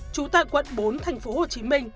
trú tại quận bốn tp hcm